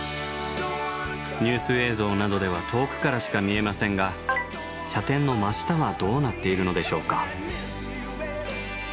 ニュース映像などでは遠くからしか見えませんが射点の真下はどうなっているのでしょうか？